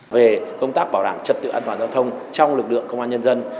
về công tác bảo đảm trật tự an toàn giao thông trong lực lượng công an nhân dân